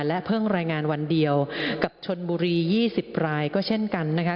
และเพิ่งรายงานวันเดียวกับชนบุรี๒๐รายก็เช่นกันนะคะ